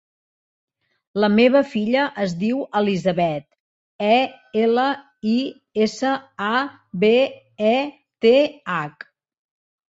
La meva filla es diu Elisabeth: e, ela, i, essa, a, be, e, te, hac.